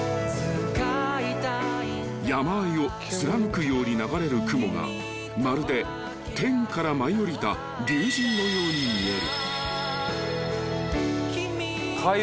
［山あいを貫くように流れる雲がまるで天から舞い降りた竜神のように見える］